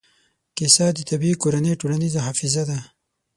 کیسه د طبعي کورنۍ ټولنیزه حافظه ده.